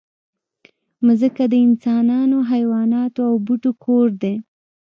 مځکه د انسانانو، حیواناتو او بوټو کور دی.